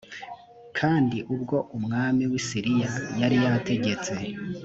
kandi ubwo umwami w i siriya yari yategetse